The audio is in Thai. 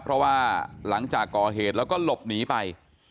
เพราะว่าหลังจากก่อเหตุแล้วก็หลบหนีไป